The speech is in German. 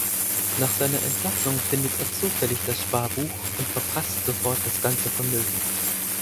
Nach seiner Entlassung findet er zufällig das Sparbuch und verprasst sofort das ganze Vermögen.